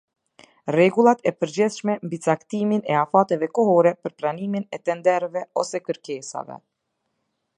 Rregullat e përgjithshme mbi caktimin e afateve kohore për pranimin e tenderëve ose kërkesave.